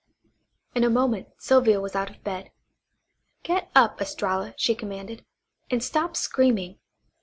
In a moment Sylvia was out of bed. "Get up, Estralla," she commanded, "and stop screaming."